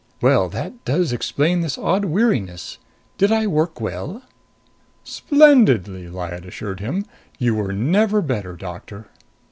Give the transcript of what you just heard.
Well, that does explain this odd weariness. Did I work well?" "Splendidly," Lyad assured him. "You were never better, Doctor."